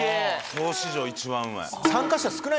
層史上一番うまい。